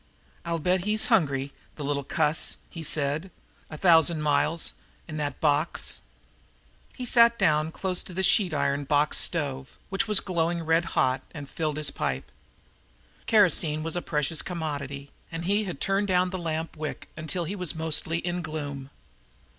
"I'll bet he's hungry, the little cuss," he said. "A thousand miles in that box!" He sat down close to the sheet iron box stove, which was glowing red hot, and filled his pipe. Kerosene was a precious commodity, and he had turned down the lamp wick until he was mostly in gloom.